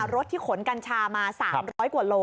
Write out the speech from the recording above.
รถที่ขนกัญชามา๓๐๐กว่าโล